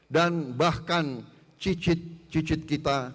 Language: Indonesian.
dan bahkan cicit cicit kita